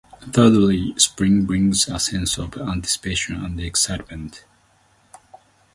Thirdly, spring brings a sense of anticipation and excitement.